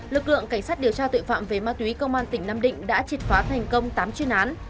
lực lượng cảnh sát điều tra tội phạm về ma túy công an tỉnh nam định đã triệt phá thành công tám chuyên án